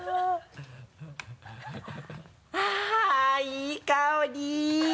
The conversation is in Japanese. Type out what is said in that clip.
あっいい香り！